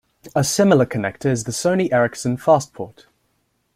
A similar connector is the Sony Ericsson FastPort.